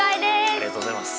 ありがとうございます。